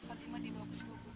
fatimah dibawa ke sebuah gubuk